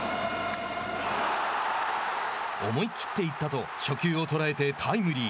思い切っていったと初球を捉えてタイムリー。